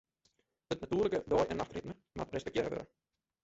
It natuerlike dei- en nachtritme moat respektearre wurde.